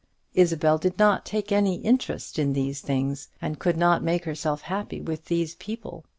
Isabel did not take any interest in these things, and could not make herself happy with these people.